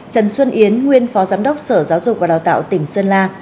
trần xuân yến nguyên phó giám đốc sở giáo dục và đào tạo tỉnh sơn la